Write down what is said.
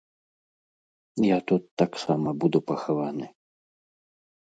Я тут таксама буду пахаваны.